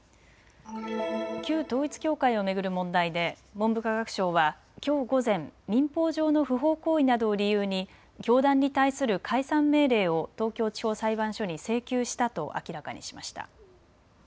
旧統一教会を巡る問題で文部科学省はきょう午前、民法上の不法行為などを理由に教団に対する解散命令を東京地方裁判所に請求したと明らかにしました。